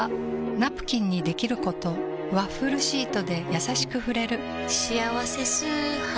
ナプキンにできることワッフルシートでやさしく触れる「しあわせ素肌」